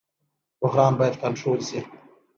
بحران باید کنټرول شي